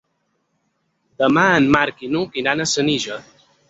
Demà en Marc i n'Hug iran a Senija.